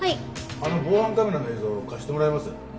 あの防犯カメラの映像を貸してもらえます？